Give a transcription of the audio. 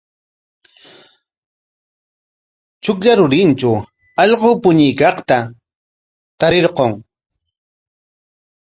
Chuklla rurintraw allqu puñuykaqta tarirqun.